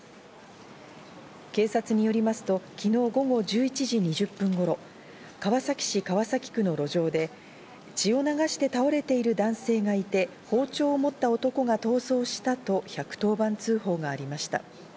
警察によりますと、昨日午後１１時２０分頃、川崎市川崎区の路上で、血を流して倒れている男性がいて、包丁を持った男が逃走したと１１０番通報がありました。